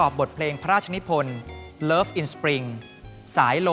จิตใจไว้หวดความสงสาร